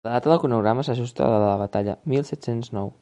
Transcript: La data del cronograma s'ajusta a la de la batalla: mil set-cents nou.